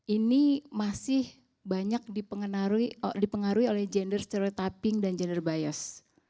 ini masih banyak dipengaruhi oleh gender stereotyping dan gender bios